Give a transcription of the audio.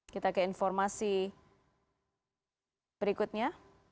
kita ke informasi berikutnya